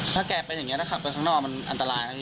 ถ้าแกเป็นอย่างนี้ถึงนักขับไปค้างนอกไปน่าก็อันตรายตอนนี้